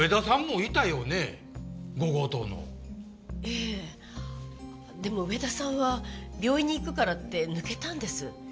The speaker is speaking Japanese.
ええでも植田さんは病院に行くからって抜けたんです。